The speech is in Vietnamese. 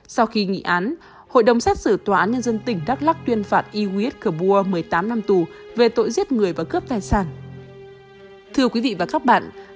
sau khi nghị án hội đồng xét xử tòa nhân dân tỉnh đắk lắc tuyên phạt iwis kabua một mươi tám năm tù về tội giết người và cướp tài sản